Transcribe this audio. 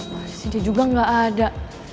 masih dia juga nggak ada